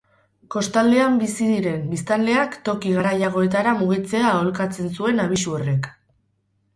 Kostaldean bizi ziren biztanleak toki garaiagoetara mugitzea aholkatzen zuen abisu horrek.